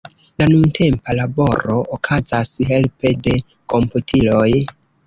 La nuntempa laboro okazas helpe de komputiloj.